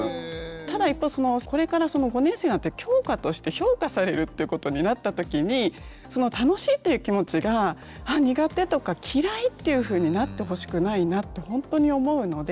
ただ一方これから５年生になって教科として評価されるっていうことになった時に「楽しい」っていう気持ちが「苦手」とか「嫌い」っていうふうになってほしくないなってほんとに思うので。